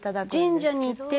神社に行って。